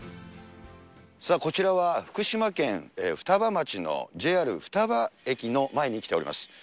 さあ、こちらは福島県双葉町のＪＲ双葉駅の前に来ております。